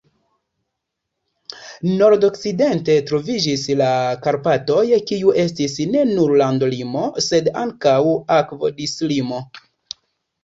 Nord-okcidente troviĝis la Karpatoj, kiu estis ne nur landolimo, sed ankaŭ akvodislimo.